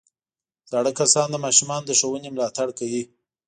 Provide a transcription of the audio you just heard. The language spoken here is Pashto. زاړه کسان د ماشومانو د ښوونې ملاتړ کوي